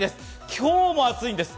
今日も暑いです。